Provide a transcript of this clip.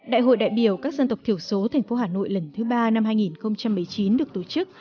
đại hội đại biểu các dân tộc thiểu số thành phố hà nội lần thứ ba năm hai nghìn một mươi chín được tổ chức